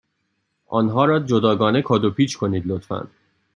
آنها را جداگانه کادو پیچ کنید، لطفا.